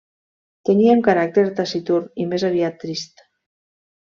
Tènia un caràcter taciturn i més aviat trist.